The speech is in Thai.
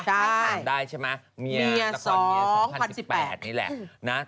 บอสใช่ไหม